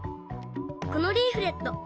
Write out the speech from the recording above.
このリーフレット